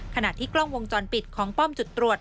ขณะที่กล้องวงจรปิดของป้อมจุดตรวจ